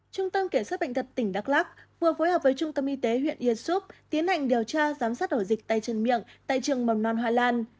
chương tâm kiểm soát bệnh tật tỉnh đắk lắk vừa phối hợp với trung tâm y tế huyện yên xúc tiến hành điều tra giám sát ổ dịch tay chân miệng tại trường mồn non hoa lan